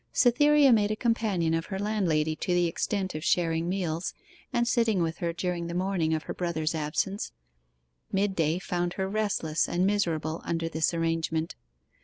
Cytherea made a companion of her landlady to the extent of sharing meals and sitting with her during the morning of her brother's absence. Mid day found her restless and miserable under this arrangement.